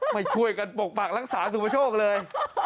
ไม่ช่วยกันปกปักรักษาสุประโชคเลย